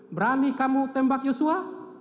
berani kamu tembak yosua